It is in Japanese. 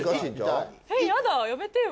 やだやめてよ。